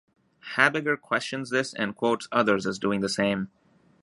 Habegger questions this and quotes others as doing the same.